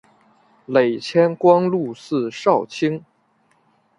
累迁光禄寺少卿。